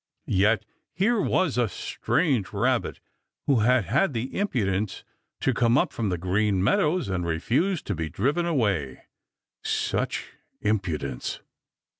Yet here was a strange Rabbit who had had the impudence to come up from the Green Meadows and refused to be driven away. Such impudence!